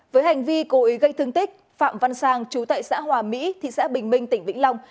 với hành vi cố ý gây thương tích phạm văn sang chú tại xã hòa mỹ thị xã bình minh tỉnh vĩnh long